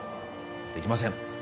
できません